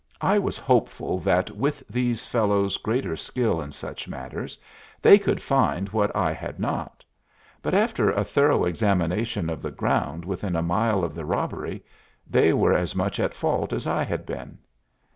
I was hopeful that with these fellows' greater skill in such matters they could find what I had not, but after a thorough examination of the ground within a mile of the robbery they were as much at fault as I had been.